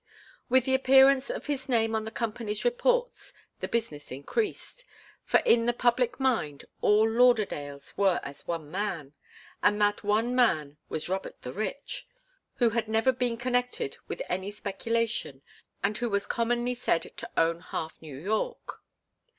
With the appearance of his name on the Company's reports the business increased, for in the public mind all Lauderdales were as one man, and that one man was Robert the Rich, who had never been connected with any speculation, and who was commonly said to own half New York.